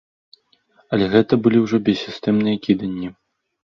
Але гэта былі ўжо бессістэмныя кіданні.